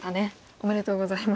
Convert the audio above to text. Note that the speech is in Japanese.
おめでとうございます。